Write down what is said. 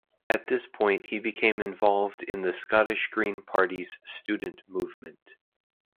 At this point he became involved in the Scottish Green Party's student movement.